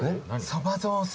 そば雑炊！？